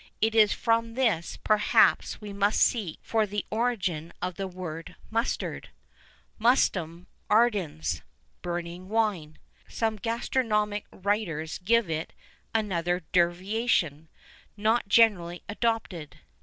It is from this, perhaps, we must seek for the origin of the word mustard, "mustum ardens" (burning wine)[VI 5]; some gastronomic writers give it another derivation, not generally adopted.